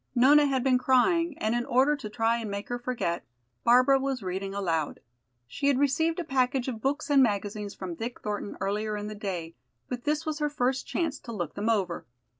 Nona had been crying, and in order to try and make her forget, Barbara was reading aloud. She had received a package of books and magazines from Dick Thornton earlier in the day, but this was her first chance to look them over.